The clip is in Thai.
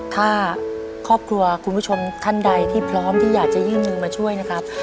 ถ้าครอบครัวคุณผู้ชมท่านใดที่พร้อมที่อยากจะยื่นมือมาช่วยนะครับ